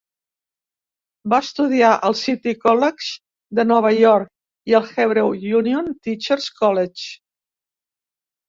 Va estudiar al City College de Nova York i al Hebrew Union Teachers College.